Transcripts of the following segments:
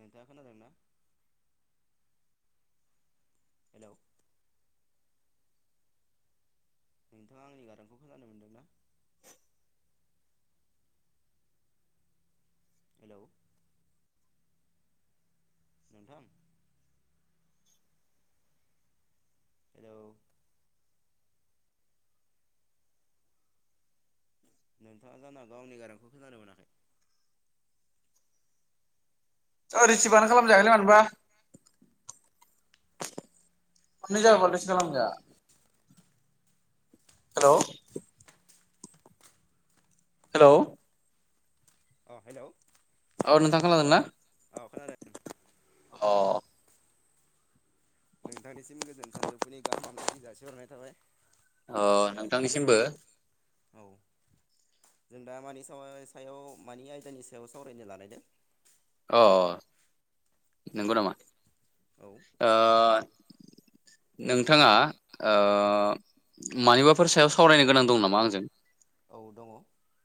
नोंथाङा खोनादोंना। हेल'। नोंथाङा आंनि गारांखौ खोनानो मोनदों ना। हेल'। नोंथां। हेलौ। नोंथाङा जानो हागौ आंनि गारांखौ खोनानो मोनाखै। ओइ रिसिफयानो खालामजाखोन नै मानोबा नै जाबा [unintelligible] हेल'। हेलौ। अ हेल'। औ नोंथां खोनादोंना। अ। नोंथांनिसिम गोजोन सानजौफुनि गाहाम हामलायथि जासिहरनाय थाबाय अ नोंथांनिसिमबो। औ जों दा मानि स सायाव मानि आयदानि सायाव सावरायनो लाानायदों। अ नंगौ नामा। औ ओ। नोंथाङा ओ मानिबाफोर सायाव सावरायनो गोनां दं नामा आंजों? औ दङ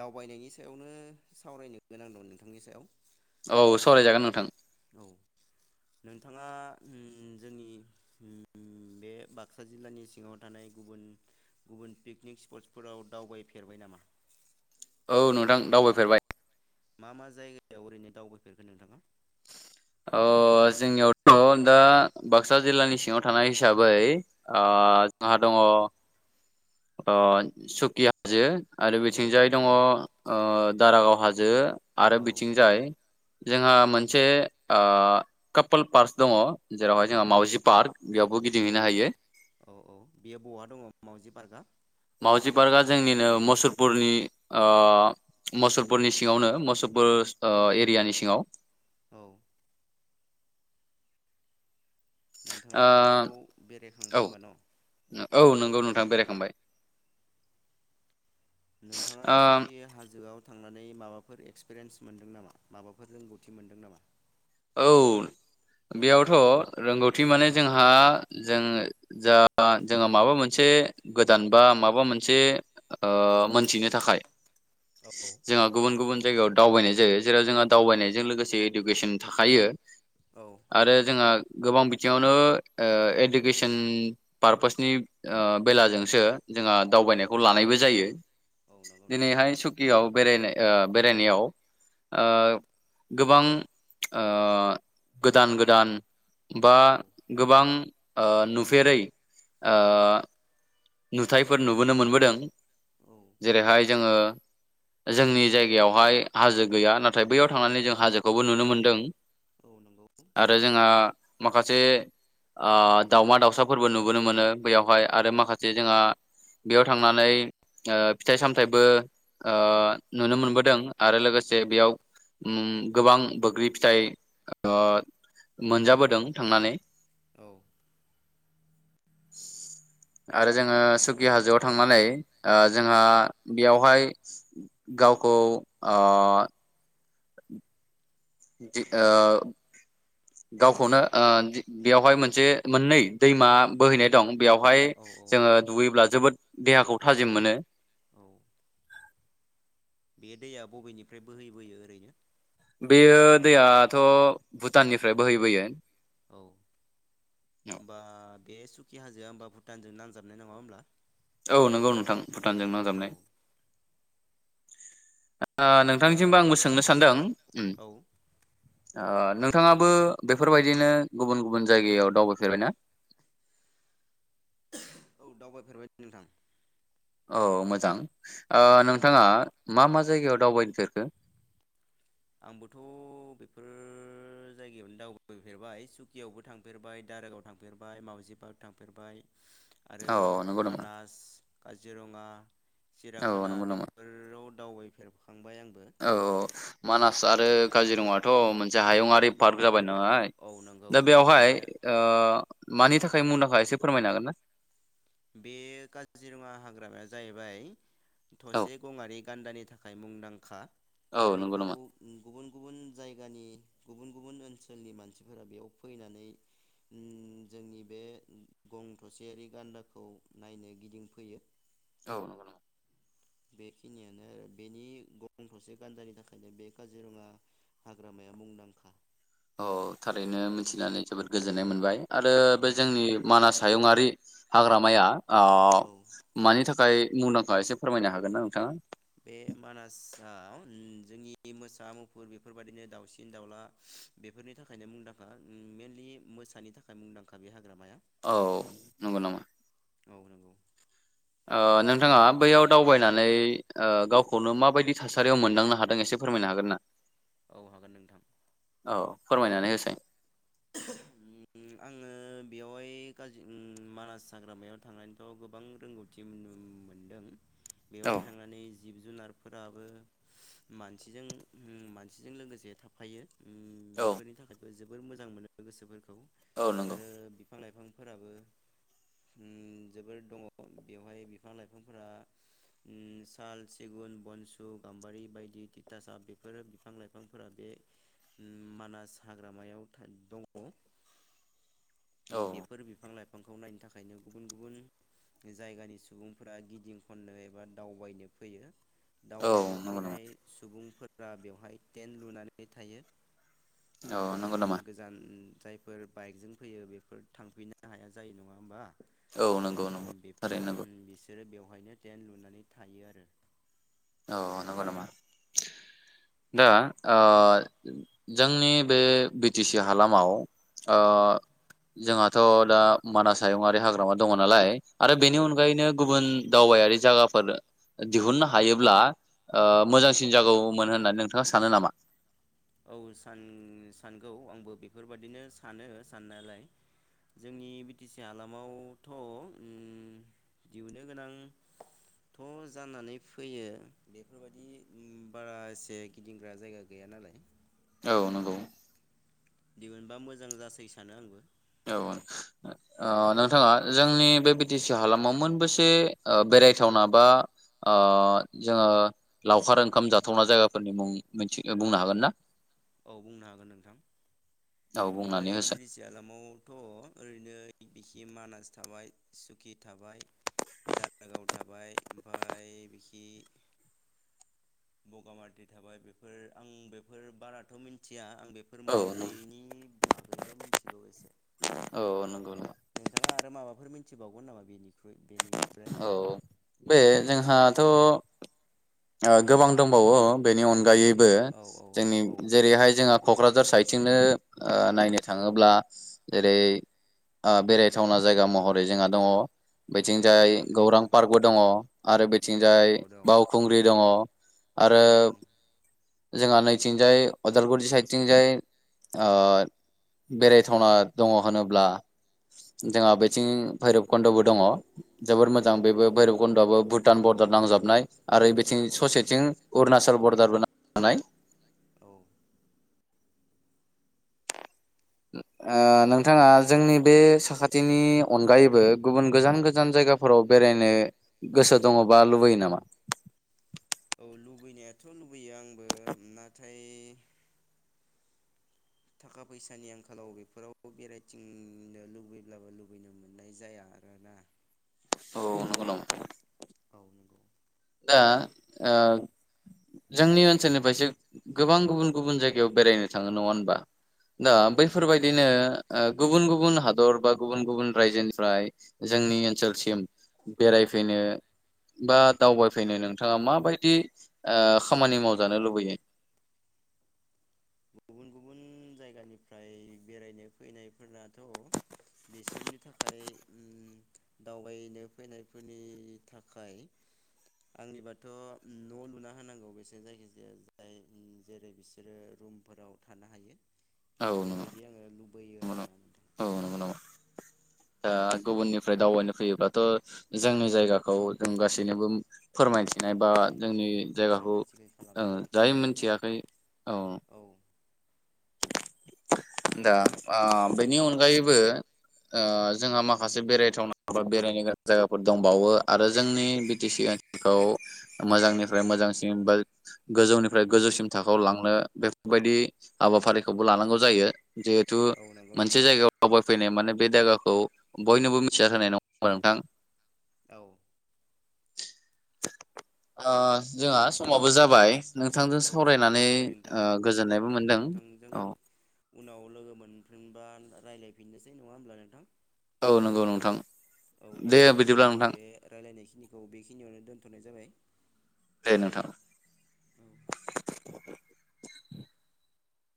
दावबायनायनि सायावनो सावरायनो गोनां दं नोंथांनि सायाव। औ सावरायजागोन नोंथां। औ नोंथांङा उम जोंनि उम बे बाक्सा जिल्लानि सिङाव थानाय गुबुन गुबुन पिकनिक स्पटसफोराव दावबायफेरबाय नामा। औ नोंथां दावबायफेरबाय। मा मा जायगायाव ओरैनो दावबायफेरखो नोंथाङा। अ जोंनियावथ' दा बाक्सा जिल्लानि सिङाव थानाय हिसाबै ओ आ जोंहा दङ अ सुकि हाजो। आरो औ बिथिंजायै दङ नंगौ ओ दारागाव हाजो। जो आरो औ बिथिंजाय जोंहा मोनसे ओ कापोल पार्स दङ जेरावहाय जोंहा औ मावउजि पार्क बेयावबो औ गिदिंहैनो हायो औ औ बेयो बहा दङ मावजि पार्कआ? मावउजि पार्कआ जोंनिनो मुसलपुरनि मुसलपुरनि सिङावनो मुसुलपुर एरियानि सिङाव औ नोंथाङा बेफोराव ओ औ बेरायखांबाय होमबा न' औ नंगौ बेरायखांबाय नोंथाङा सुकि ओ हाजोआव थांनानै माबाफोर एक्सपिरियेन्स मोनदों नामा माबाफोर रोंगौथि मोनदों नामा औ बेयावथ' रोंगौथि माने जोंहा जों जा जोंहा माबा मोनसे गोदान बा माबा मोनसे मोनथिनो थाखाय औ जोंहा गुबुन गुबुन जायगायाव दावबायनाय जायो जेराव जोंहा दावबायनायजों लोगोसे इडुकेसन हाखायो औ आरो जोंहा गोबां बिथिङावनो इडुकेसन पारपोसनि बेलाजोंसो जोंहा औ दावबायनायखौ औ लानायबो जायो औ नंगौ नोंथां दिनैहाय नंगौ सुकियाव बेरायनाय बेरायनायाव ओ औ गोबां ओ गोदान गोदान बा औ गोबां ओ नुफेरै ओ औ नुथायफोर नुबोनो मोनबोदों औ जेरैहाय जोङो जोंनि जायगायावहाय हाजो गैया नाथाय बैयाव थांनानै जों हाजोखौबो नुनो मोनदों औ नंगौ आरो जोंहा माखासे ओ दावमा दाउसाफोरबो नुबोनो मोनो बैयावहाय आरो औ माखासे बेयाव थांनानै ओ फिथाइ सामथायबो ओ नुनो मोनबोदों आरो लोगोसे औ बेयाव गोबां बोग्रि फिथाइ मोनजाबोदों थांनानै औ [inaudible] आरो जोङो सुकि हाजोआव थांनानै जोंहा बेयावहाय गावखौ ओ जि ओ गावखौनो बेयावहाय मोनसे मोननै दैमा बोहैनाय दं बेवहाय औ औ जोङो दुगैयोब्ला जोबोद देहाखौ थाजिम मोनो। औ बे दैया बबेनिफ्राय बोहै बोयो ओरैनो? बेयो दैयाथ' भुटाननिफ्राय बोहैबोयो। औ होनबा बे हाजोआ होमबा भुटानजों नांजाबनाय नङा होनब्ला? औ नंगौ नोंथां भुटानजों नांजाबनाय। ओ होमबा नोंथांनिसिमबो बे आंबो सोंनो सानदों उम। औ ओ नोंथाङाबो बेफोरबायदिनो गुबुन गुबुन जायगायाव दावबायफेरबायना? औ दावबायफेरबाय नोंथां। औ मोजां ओ नोंथाङा मा मा जायगायाव दावबायफेरखो? आंबोथ' बेफोर जायगायावनो दावबायफेरबाय सुकियावबो थांफेरबाय दारागाव थांफेरबाय मावउजि पार्क थांफेरबाय आरो औ नंगौ नामा मानास काजिरङा औ सिराखाना नंगौ नामा बेफोराव दावबायफेरबाय। थांबाय आंबो। औ मानास आरो काजिरङाथ' मोनसे हायुङरारि पार्क जाबाय औ नंगौ दा बे बेवहाय ओ मानि थाखाय मुंदांखा एसे फोरमायनो हागोन ना? बे काजिरङा हाग्रामाया जाहैबाय औ थसे गङारि गान्दानि थाखाय मुंदांखा औ नंगौ बेखौ नामा गुबुन गुबुन जायगानि गुबुन गुबुन ओनसोलनि मानसिफोरा बेयाव फैनानै जोंनि बे गं थसेयारि गान्दाखौ खौ नायनो गिदिंफैयो। औ नगौ नामा? बेखिनियानो आरो बेनि गं थसे गान्दानि थाखायनो बे काजिरङा हाग्रामाया मुंदांखा। औ थारैनो मिथिनानै जोबोद गोजोननाय मोनबाय। आरो औ बे जोंनि मानास हायुंङारि हाग्रामाया औ ओ मानि थाखाय मुंदांखा एसे फोरमायनो हागोन ना नोंथाङा? बे मानासआव जोंनि मोसा मुफुर बेफोरबायादिनो दाउसिन दाउला बेफोरनि थाखायनो मुंदांखा मेनलि मोसानि थाखाय मुंदांखा बेहा औ नंगौ नामा? औ नंगौ। ओ नोंथाङा बैयाव दावबायनानै गावखौनो माबायदि थासारियाव मोनदांनो हादों एसे फोरमायनो हागोन ना? औ हागोन नोंथां। औ फोरमायनानै होसाय। आङो बेवहायावहाय मानास हाग्रामायाव थांनानैथ' गोबां रोंगौथि मोनदों। बेवहाय औ थांनानै जिब जुनारफोराबो मानसिजों मानसिजों लोगोसे थाफायो। औ बेफोरनि थाखायबो जोब बोद मोजां मोनो। लोगोसेफोर औ नंगौ आरो बिफां लाइफां उम जोबोर दङा बेयावहाय बिफां लाइफां साल सिगुन बनसु गाम्बारि बायदि थिथासा बेफोर बिफां लाइफांफोरा बे मानास हाग्रा थां दं। [inaudible] औ बेफोर बिफां लाइफां बिफांखौ नायनो थाखायनो गुबुन गुबुन जायगानि सुबुंफोरा गिदिं खननो एबा दावबायनो फैयो। औ दावबायनो नंगौ नामा फैनाय सुबुंफोर फोरा बेवहाय टेन्ट लुनानै थायो। औ उम नंगौ नामा। गोजान जायफोर बाइकजों फैयो बेफोर थांफिननो हाया जायो नङा होमबा। औ नंगौ नंगौ थारैनो बेफोरो नंगौ बिसोरो बेव बेहायनो टेन लुनानै थायो आरो। औ नंगौ नामा दा आ जोंनि बि टि सि हालामाव अ औ जोंहा थ' दा मानास हायुंआरि हाग्रामा दङ नालाय आरो औ बेनि नंगौ अनगायैनो गुबुन दावबायारि जागाफोर दिहुननो हायो। ब्ला मोजांसिन जागौमोन होननानै नोंथाङा सानो नामा? औ सान सानगौ आंबो बेफोरबादिनो सानो साननायालाय जोंनि बि टि सि हालामावथ' दिहुननो गोनांथ' जानानै फैयो बेफोरबायदि बारा एसे गिदिंग्रा जायगा गैया नालाय। औ नंगौ। दिहुनबा मोजां जासै सानो आंबो औ आं नोंथाङा जोंनि बे बि टि सि हालामाव मोनबेसे बेरायथावना बा जोङो लावखार ओंखाम जाथावना जायगाफोरनि मुं मिथि बुंनो हागोन ना? औ बुंनो हागोन नोंथां औ बुंनानै बेवहाय होसाय बि टि सि हालामाव थ' ओरैनो बिखि मानास थाबाय सुकि थाबाय दारागाव थाबाय ओमफ्राय बिखि बगामाथि थाबाय बेफोर आं बेफोर बारा मिन्थिया। आं बेफोर औ मोनब्रैनि बागैल' मिथिगौ एसे औ नंगौ नंगौ नोंथाङा। आरो माबाफोर मिथिबावगोन नामा बेनिख्रुइ बिनि औ। बे जोंहाथ' गोबां दंबावो बेनि अनगायै बो औ औ जोंनि दंबावो जेरैहाय जोंहा क'क्राझार साइदथिंनो ओ नायनो थाङोब्ला जेरै ओ बेरायथावना जायगा महरै जोंहा दङ औ दं बेथिंजाय नोंथां गौरां दं पार्कबो दङ आरो औ बेथिंजाय औ दं बाव खुंग्रि दङ औ आरो दं जोंहा नैथिंजाय अदालगुरि साइदथिंजाय ओ बेरायथावना दङ होनोब्ला जोंहा बेथिं भैरबखुन्द'बो दङ। जोबोर औ मोजांं बेबो भैरब खन्द आबो भुटान बरदार नांजाबनाय। आरो औ बेथिं औ ससेथिं अरुणाचल बर' दारबो नांजाबनाय औ नोंथाङा जोंनि बे साखाथिनि अनगायैबो गुबुन गोजान गोजान जायगाफोराव बेरायनो गोसो दङ बा लुबैयो नामा? औ लुबैनायाथ' लुबैयो आंबो नाथाय थाखा फैसानि आंखालाव बेफोराव बेरायथिंनो लुबैब्लाबो लुबैनो मोननाय जाया आरोना औ नंगौ नामा औ नंगौ दा जोंनि ओनसोलनिफ्रायसो गोबां गुबुन गुबुन जायगायाव बेरायनो थाङो नङा होनबा दा औ थाङो नोंथां बैफोरबायदिनो थाङो गुबुन गुबुन गुबुन हादर बा गुबुन गुबुन रायजोनिफ्राय जोंनि ओनसोलसिम बेरायफैनो बा दावबायफैनो नोंथाङा माबायदि खामानि मावजानो लुबैयो गुबुन गुबुन जायगानिफ्राय बेरायनो फैनायफोराथ' बिसोरनि थाखाय दावबायनो फैनायफोरनि थाखाय आंनिबाथ' न' लुना होनांगौ बिसोर जायखिजाया जाय जेरै बिसोरो रुम फोराव थानो हायो औ नंगौ बेफोरबायदि आङो लुबैयो आरो ना नोथां दा गुबुननिफ्राय दावबायनो फैयोब्लाथ' जोंनि जायगाखौ जों गासैनोबो औ फोरमायथिनाय बा जोंनि जायगाखौ साखोन सिखोन खालामनानै जाय लाखिनांबाय ना मिथियाखै औ औ दा बेनि अनगायैबो जोंहा माखासे बेरायथावना बा बेरायनो गोनां जायगाफोर दंबावो आरो जोंनि बि टि सि ओनसोलखौ मोजांनिफ्राय मोजांसिन बा गोजौनिफ्राय गोजौसिम थाखोआव लांनो बेफोरबायदि हाबाफारिखौबो लानांगौ जायो जिहेथु औ नंगौ मोनसे नोंथां जायगायाव फैनाय माने बे जायगाखौ बयनोबो मिथिना होनाय नङा नोंथां औ जोंहा समाबो जाबाय नोंथांजों औ समाबो सावरायनानै जाबाय नोंथां उम गोजोननायबो मोनदों नोंथांजों औ उनाव लोगो मोनफिनबा रायज्लायफिननोसै नङा होमब्ला नोंथां औ नंगौ नोंथां औ दे होमबा बिदिब्ला जोंनि नोंथां बे रायलायनाय खिनिखौ बेखिनियावनो दोन दोन्थ'नाय जाबाय दे नोंथां औ